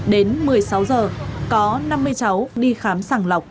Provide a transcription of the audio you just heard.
đến một mươi sáu giờ có năm mươi cháu đi khám sàng lọc